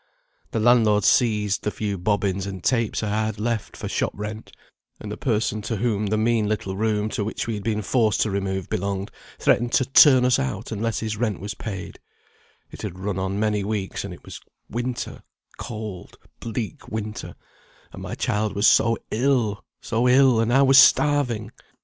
The landlord seized the few bobbins and tapes I had left, for shop rent; and the person to whom the mean little room, to which we had been forced to remove, belonged, threatened to turn us out unless his rent was paid; it had run on many weeks, and it was winter, cold bleak winter; and my child was so ill, so ill, and I was starving.